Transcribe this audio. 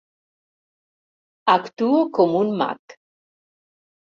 Actuo com un mag.